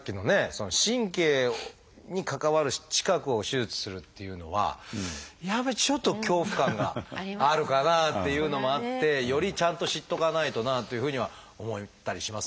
神経に関わる近くを手術するっていうのはやっぱりちょっと恐怖感があるかなっていうのもあってよりちゃんと知っとかないとなというふうには思ったりしますね。